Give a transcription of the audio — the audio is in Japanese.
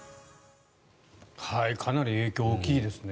かなり影響大きいですね。